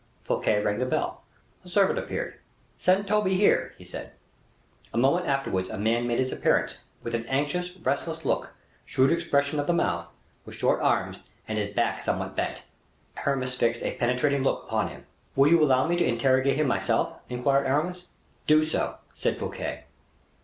Fouquet rang the bell. A servant appeared. "Send Toby here," he said. A moment afterwards a man made his appearance, with an anxious, restless look, shrewd expression of the mouth, with short arms, and his back somewhat bent. Aramis fixed a penetrating look upon him. "Will you allow me to interrogate him myself?" inquired Aramis. "Do so," said Fouquet.